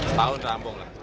setahun terampung lah